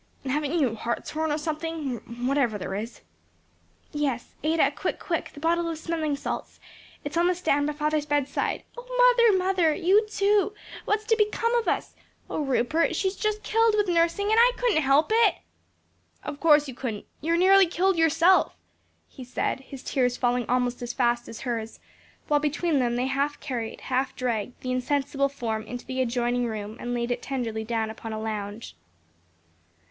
And haven't you hartshorn or something! whatever there is. "Yes, Ada, quick, quick! the bottle of smelling salts! it's on the stand by father's bedside. O, mother, mother! you too! what's to become of us? O, Rupert, she's just killed with nursing! and I couldn't help it." "Of course you couldn't; you are nearly killed yourself," he said, his tears falling almost as fast as hers, while between them they half carried, half dragged the insensible form into the adjoining room and laid it tenderly down upon a lounge.